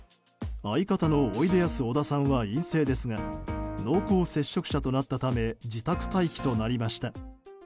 相方のおいでやす小田さんは陰性ですが濃厚接触者となったため自宅待機となりました。